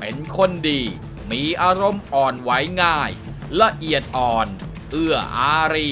เป็นคนดีมีอารมณ์อ่อนไหวง่ายละเอียดอ่อนเอื้ออารี